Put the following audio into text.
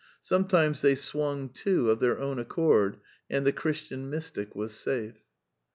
Sometimes they swung to of their own accord and the Christian mystic was safe.